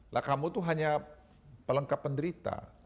lah kamu itu hanya pelengkap penderita